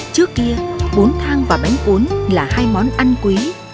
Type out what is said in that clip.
trước kia bốn thang và bánh cuốn là hai món ăn quý